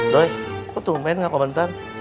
doi kok tuh main gak komentar